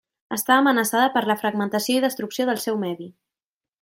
Està amenaçada per la fragmentació i destrucció del seu medi.